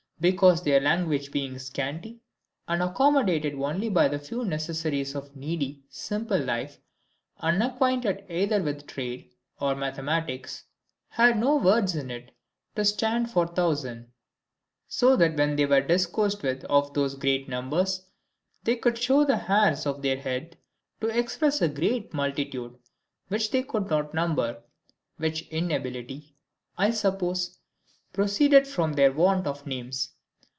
Because their language being scanty, and accommodated only to the few necessaries of a needy, simple life, unacquainted either with trade or mathematics, had no words in it to stand for 1000; so that when they were discoursed with of those greater numbers, they would show the hairs of their head, to express a great multitude, which they could not number; which inability, I suppose, proceeded from their want of names.